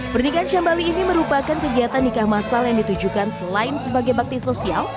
pernikahan syambali ini merupakan kegiatan nikah masal yang ditujukan selain sebagai bakti sosial